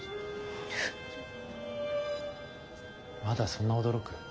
まだそんな驚く？